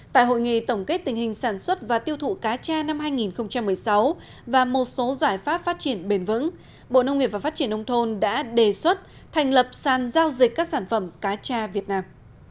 tại hội nghị tổng kết tình hình sản xuất và tiêu thụ cá tra năm hai nghìn một mươi sáu và một số giải pháp phát triển bền vững bộ nông nghiệp và phát triển nông thôn đã đề xuất thành lập sàn giao dịch các sản phẩm cá cha việt nam